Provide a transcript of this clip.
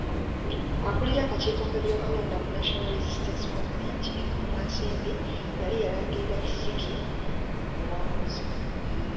Akulira akakiiko k'ebyokulonda mu National Resistance Movement e Bukomansimbi yali yalangirira Kisiki ku buwanguzi.